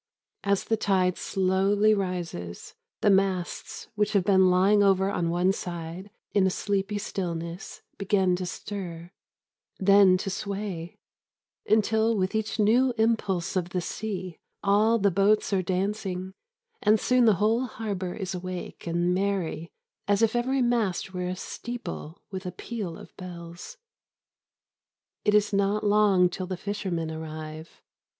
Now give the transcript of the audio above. As the tide slowly rises, the masts which have been lying over on one side in a sleepy stillness begin to stir, then to sway, until with each new impulse of the sea all the boats are dancing, and soon the whole harbour is awake and merry as if every mast were a steeple with a peal of bells. It is not long till the fishermen arrive.